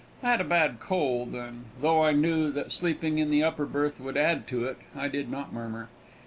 I had a bad cold, and though I knew that sleeping in the upper berth would add to it, I did not murmur.